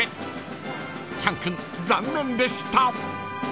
［チャン君残念でした］